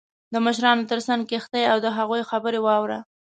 • د مشرانو تر څنګ کښېنه او د هغوی خبرې واوره.